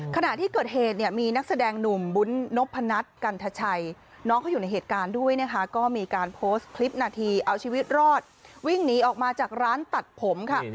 ขณะที่เกิดเหตุเนี่ยมีนักแสดงหนุ่มวุ้นนพนัทกันทชัยน้องเขาอยู่ในเหตุการณ์ด้วยนะคะก็มีการโพสต์คลิปนาทีเอาชีวิตรอดวิ่งหนีออกมาจากร้านตัดผมค่ะ